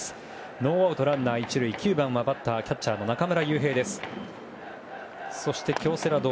ノーアウトランナー、１塁バッターは９番キャッチャーの中村悠平です。